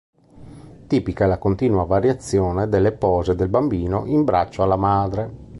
Tipica è la continua variazione delle pose del Bambino in braccio alla madre.